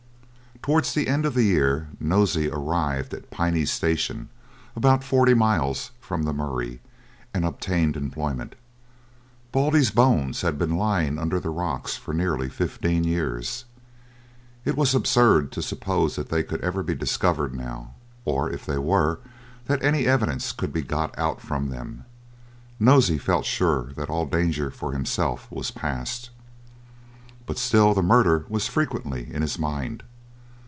Towards the end of the year Nosey arrived at Piney Station, about forty miles from the Murray, and obtained employment. Baldy's bones had been lying under the rocks for nearly fifteen years. It was absurd to suppose they could ever be discovered now, or if they were, that any evidence could be got out of them. Nosey felt sure that all danger for himself was passed, but still the murder was frequently in his mind.